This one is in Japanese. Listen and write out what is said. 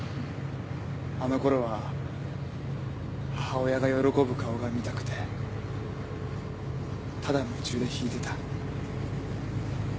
あの頃は母親が喜ぶ顔が見たくてただ夢中で弾いてた。